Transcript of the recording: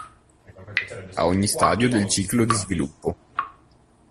A ogni stadio del ciclo di sviluppo.